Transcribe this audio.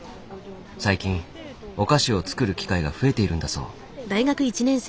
最近お菓子を作る機会が増えているんだそう。